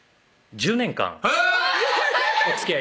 １０年間！